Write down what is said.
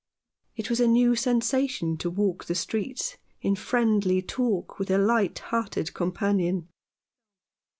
It was a new sensation to walk the streets in friendly talk with a light hearted companion.